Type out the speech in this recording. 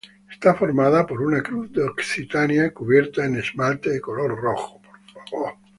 Está formada por una Cruz de Occitania cubierta en esmalte de color rojo.